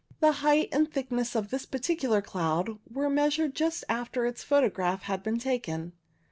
The height and thickness of this particular cloud were measured just after its photograph had been taken.